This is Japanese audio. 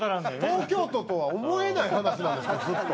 東京都とは思えない話なんですけどずっと。